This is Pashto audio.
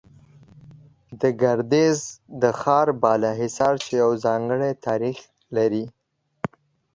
د ګردېز د ښار بالا حصار، چې يو ځانگړى تاريخ لري